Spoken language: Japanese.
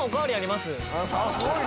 すごいな！